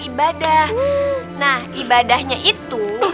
ibadah nah ibadahnya itu